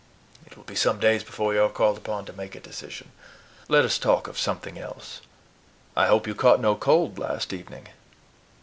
It will be some days before you are called upon to make a decision. Let us talk of something else. I hope you caught no cold last evening."